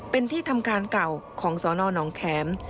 เป็นที่ทำการเก่าของสนน้องแข็ม